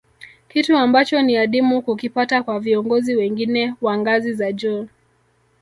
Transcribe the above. Kitu ambacho ni adimu kukipata kwa viongozi wengine wa ngazi za juu